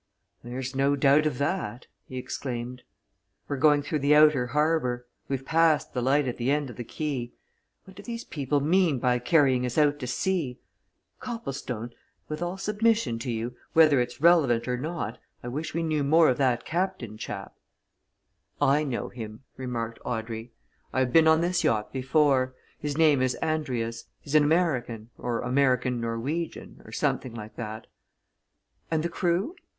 "There's no doubt of that!" he exclaimed. "We're going through the outer harbour we've passed the light at the end of the quay. What do these people mean by carrying us out to sea? Copplestone! with all submission to you whether it's relevant or not, I wish we knew more of that captain chap!" "I know him," remarked Audrey. "I have been on this yacht before. His name is Andrius. He's an American or American Norwegian, or something like that." "And the crew?"